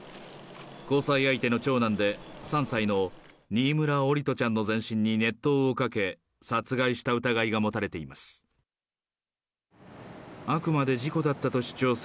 交際相手の長男で、３歳の新村桜利斗ちゃんの全身に熱湯をかけ、殺害した疑いが持たれています。